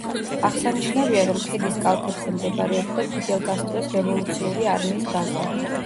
აღსანიშნავია, რომ ქედის კალთებზე მდებარეობდა ფიდელ კასტროს რევოლუციური არმიის ბაზა.